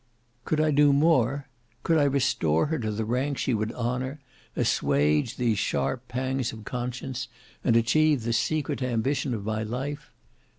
"Could I do more? Could I restore her to the rank she would honour, assuage these sharp pangs of conscience, and achieve the secret ambition of my life?